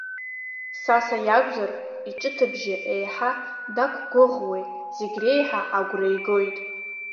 Саса иакәзар, иҿыҭыбжьы еиҳа дақәгәыӷуеит, зегь реиҳа агәра игоит.